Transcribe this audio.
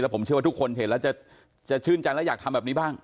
ผมเชื่อว่าทุกคนเห็นแล้วจะชื่นใจและอยากทำแบบนี้บ้าง